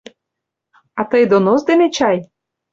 — А тый донос дене чай?